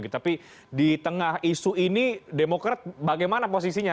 tapi di tengah isu ini demokrat bagaimana posisinya